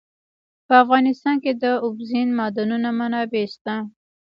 په افغانستان کې د اوبزین معدنونه منابع شته.